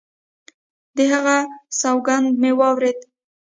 د هغه سونګېدا مې واورېد.